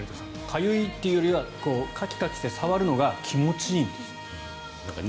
かゆいというよりはカキカキして触るのが気持ちいいんですって。